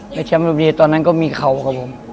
ในแชมป์รุมพินีตอนนั้นก็มีเข่าครับผม